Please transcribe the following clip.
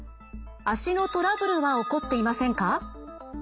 足のトラブルは起こっていませんか？